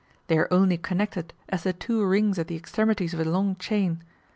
They are only connected as the two rings at the extremities of a long chain.